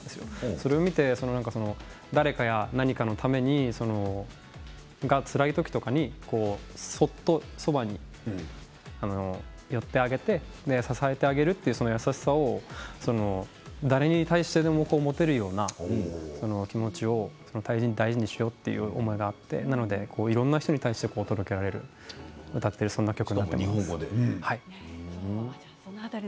それを見て、誰かや何かのためにつらい時とかにそっとそばに寄ってあげて支えてあげるという優しさを誰に対しても持てるような気持ちを大事大事にしようという思いがあっていろんな人に対して届けられる日本語で。